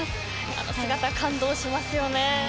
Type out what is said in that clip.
あの姿、感動しますよね。